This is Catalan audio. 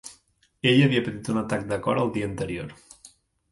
Ell havia patit un atac de cor el dia anterior.